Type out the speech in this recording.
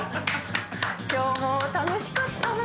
今日も楽しかったな！